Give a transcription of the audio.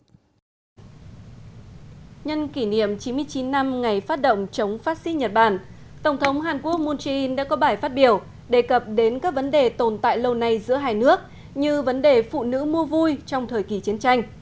nhân kỷ niệm chín mươi chín năm ngày phát động chống phát xít nhật bản tổng thống hàn quốc moon jae in đã có bài phát biểu đề cập đến các vấn đề tồn tại lâu nay giữa hai nước như vấn đề phụ nữ mua vui trong thời kỳ chiến tranh